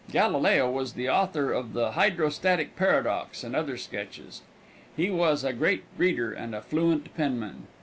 Galileo was the author of the hydrostatic paradox and other sketches. He was a great reader and a fluent penman.